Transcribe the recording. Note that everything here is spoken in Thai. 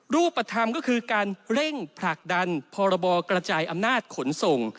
รูปธรรมก็คือการเร่งผลักดันพรบกระจายอำนาจขนส่ง